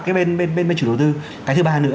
cái bên bên chủ đầu tư cái thứ ba nữa